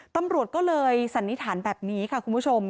ตำรวจก็เลยสันนิษฐานแบบนี้ค่ะคุณผู้ชม